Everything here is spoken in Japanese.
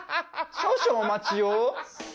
少々お待ちを。